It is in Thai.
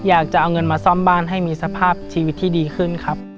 อยากจะเอาเงินมาซ่อมบ้านให้มีสภาพชีวิตที่ดีขึ้นครับ